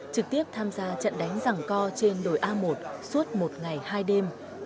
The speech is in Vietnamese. trực tiếp tham gia trận đánh giảng co trên đồi a một suốt một ngày hai đêm